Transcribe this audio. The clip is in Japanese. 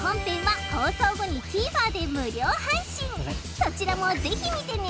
そちらもぜひ見てね